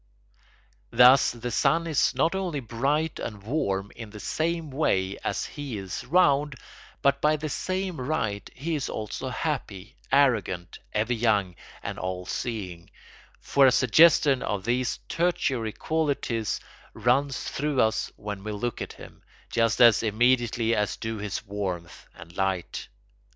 Thus the sun is not only bright and warm in the same way as he is round, but by the same right he is also happy, arrogant, ever young, and all seeing; for a suggestion of these tertiary qualities runs through us when we look at him, just as immediately as do his warmth and light.